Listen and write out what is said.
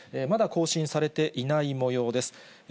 まだ更新されていないもようです。